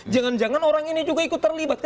jangan jangan orang ini juga ikut terlibat